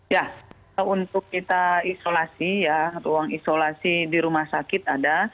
ya untuk kita isolasi ya ruang isolasi di rumah sakit ada